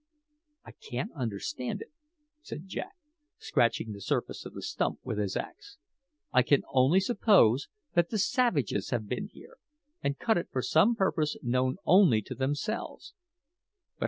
"I can't understand it," said Jack, scratching the surface of the stump with his axe. "I can only suppose that the savages have been here and cut it for some purpose known only to themselves.